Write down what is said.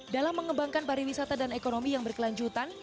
dalam mengembangkan pariwisata dan ekonomi yang berkelanjutan